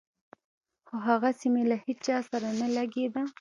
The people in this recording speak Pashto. خو هغسې مې له هېچا سره نه لګېده.